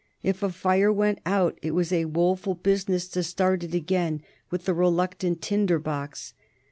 If a fire went out it was a woful business to start it again with the reluctant tinder box.